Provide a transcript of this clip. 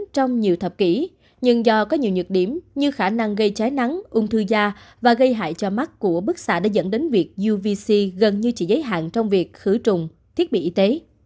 trong nhiều thập kỷ nhưng do có nhiều nhược điểm như khả năng gây cháy nắng ung thư da và gây hại cho mắt của bức xạ đã dẫn đến việc uvc gần như chỉ giới hạn trong việc khử trùng thiết bị y tế